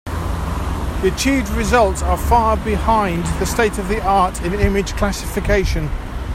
The achieved results are far behind the state-of-the-art in image classification.